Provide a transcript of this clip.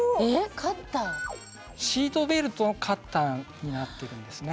シートベルトのカッターになっているんですね。